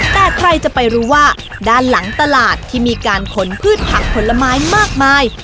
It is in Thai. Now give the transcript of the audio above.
แต่ใครจะไปรู้ว่าด้านหลังตลาดที่มีการขนพืชผักผลไม้มากมาย